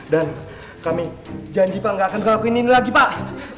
dan kami janji pak nggak akan ngelakuin ini lagi pak